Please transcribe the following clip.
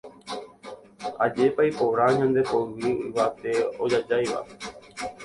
Ajépa iporã ñande poyvi yvate ojajáiva.